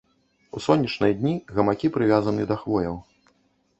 У сонечныя дні гамакі прывязаны да хвояў.